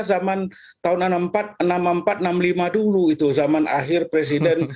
zaman tahun seribu sembilan ratus empat enam puluh empat enam puluh lima dulu itu zaman akhir presiden